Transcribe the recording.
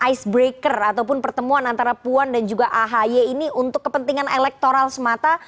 icebreaker ataupun pertemuan antara puan dan juga ahy ini untuk kepentingan elektoral semata